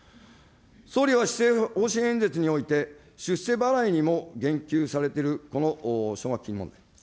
総理は施政方針演説において、出世払いにも言及されている、この奨学金問題。